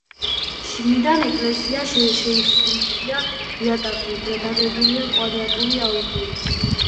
შიგნიდან ეკლესია შელესილია, იატაკზე დაგებულია კვადრატული აგური.